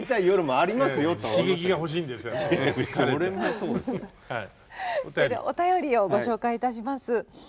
それではお便りをご紹介いたします。